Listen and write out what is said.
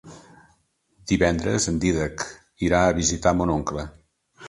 Divendres en Dídac irà a visitar mon oncle.